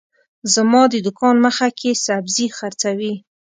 زما د دوکان مخه کي سبزي حرڅوي